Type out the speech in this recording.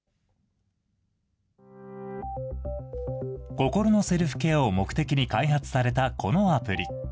心のセルフケアを目的に開発されたこのアプリ。